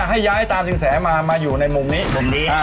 ให้ย้ายตามสินแสมามาอยู่ในมุมนี้มุมนี้